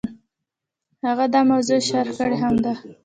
هغه دا موضوع شرح کړې هم ده.